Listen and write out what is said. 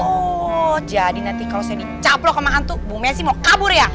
oh jadi nanti kalau saya dicaplok sama hantu bu messi mau kabur ya